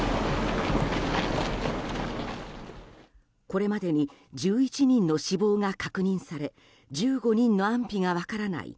これまでに１１人の死亡が確認され１５人の安否が分からない